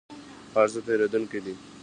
هر څه تیریدونکي دي